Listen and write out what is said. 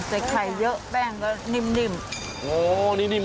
แต่ไข่เยอะแป้งก็นิ่ม